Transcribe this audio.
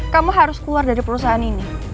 kamu harus keluar dari perusahaan ini